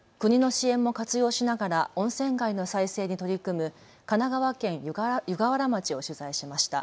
国の支援も活用しながら温泉街の再生に取り組む神奈川県湯河原町を取材しました。